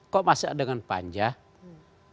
kok masih dengan panjang